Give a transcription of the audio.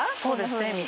そうですね